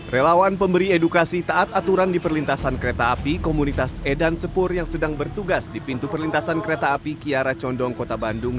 relawan pemberi edukasi taat aturan di perlintasan kereta api komunitas edan sepur yang sedang bertugas di pintu perlintasan kereta api kiara condong kota bandung